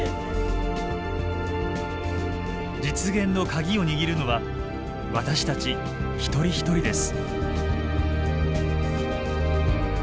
実現の鍵を握るのは私たち一人一人です。